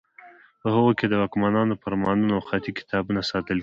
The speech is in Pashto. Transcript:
په هغو کې د واکمنانو فرمانونه او خطي کتابونه ساتل کیږي.